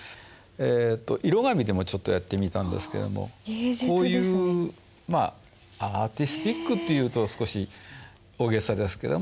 色紙でもちょっとやってみたんですけどもこういうアーティスティックっていうと少し大げさですけども。